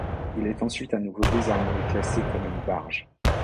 Il est ensuite à nouveau désarmé et classé comme une barge.